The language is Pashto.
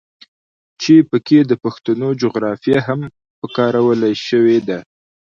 چې پکښې د پښتنو جغرافيه هم پکارولے شوې ده.